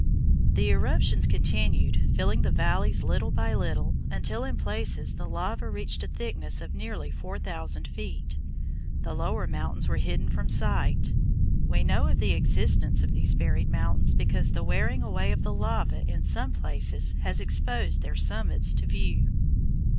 The eruptions continued, filling the valleys little by little, until in places the lava reached a thickness of nearly four thousand feet. The lower mountains were hidden from sight. We know of the existence of these buried mountains because the wearing away of the lava in some places has exposed their summits to view.